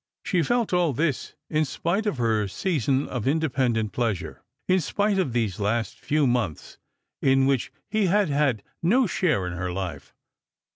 She felt all this in spite of her season of independent pleasure ; in spite of these last few months in which he had had no share in h«r life.